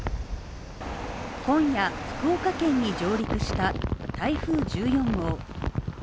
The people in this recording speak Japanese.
今夜、福岡県に上陸した台風１４号。